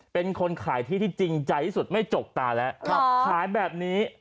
เป็นคนขายที่ที่จริงใจที่สุดไม่จกตาแล้วขายแบบนี้